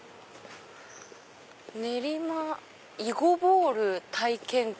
「練馬囲碁ボール体験会」。